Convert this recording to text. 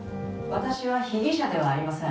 「私は被疑者ではありません」